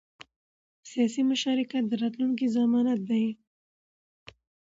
سیاسي مشارکت د راتلونکي ضمانت دی